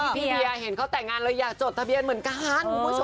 พี่เวียเห็นเขาแต่งงานเลยอยากจดทะเบียนเหมือนกันคุณผู้ชม